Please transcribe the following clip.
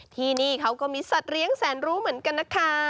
ที่นี่เขาก็มีสัตว์เลี้ยงแสนรู้เหมือนกันนะคะ